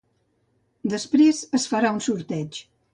Després, es farà un sorteig.